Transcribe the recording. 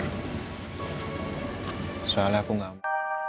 alis ini buat buat ma ma